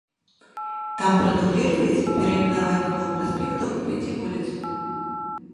Там прадугледжваецца перайменаванне двух праспектаў і пяці вуліц.